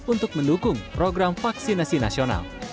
untuk mendukung program vaksinasi nasional